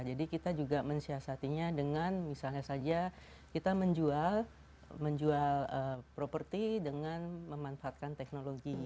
jadi kita juga mensiasatinya dengan misalnya saja kita menjual properti dengan memanfaatkan teknologi